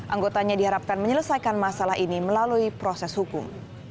anggotanya diharapkan menyelesaikan masalah ini melalui proses hukum